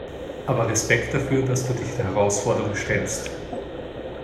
Aber Respekt dafür, dass du dich der Herausforderung stellst.